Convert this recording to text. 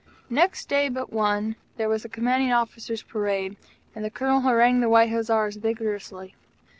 Next day but one, there was a Commanding Officer's parade, and the Colonel harangued the White Hussars vigorously.